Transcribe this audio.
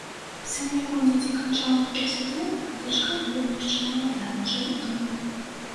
Сын яго недзе канчаў універсітэт, а дачка, вельмі яшчэ маладая, жыла дома.